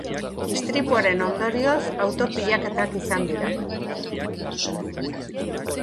Istripuaren ondorioz auto-pilaketak izan dira.